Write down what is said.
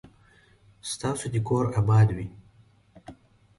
ستاسو دي کور اباد وي